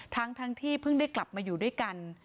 ทั้งที่เพิ่งได้กลับมาอยู่ด้วยกัน